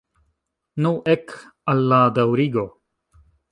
Nu, ek al la daŭrigo!